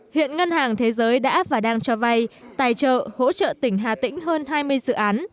hiện ngân hàng thế giới đã và đang cho vay tài trợ hỗ trợ tỉnh hà tĩnh hơn hai mươi dự án